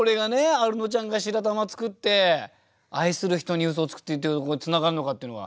アルノちゃんが白玉作って「愛する人に嘘をつく」って言ってるところにつながるのかっていうのが。